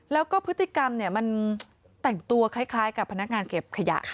แล้วก็พฤติกรรมมันแต่งตัวคล้ายกับพนักงานเก็บขยะค่ะ